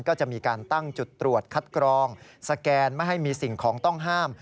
ก็จะมีการตั้งจุดตรวจคัดกรองสแกนไม่ให้มีสิ่งของต้องห้าม